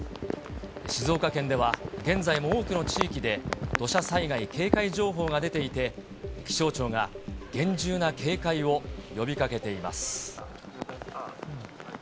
静岡県では、現在も多くの地域で、土砂災害警戒情報が出ていて、気象庁が厳重な警戒を呼びかけています。